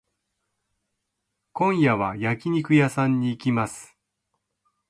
今夜は焼肉屋さんに行きます。